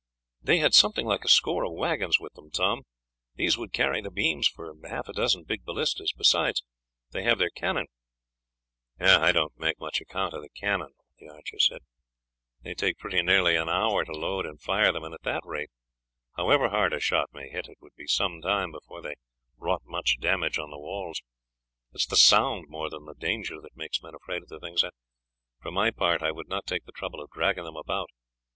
"They had something like a score of waggons with them, Tom; these would carry the beams for half a dozen big ballistas; besides, they have their cannon." "I don't make much account of the cannon," the archer said; "they take pretty nearly an hour to load and fire them, and at that rate, however hard a shot may hit, it would be some time before they wrought much damage on the walls. It is the sound more than the danger that makes men afraid of the things, and, for my part, I would not take the trouble of dragging them about.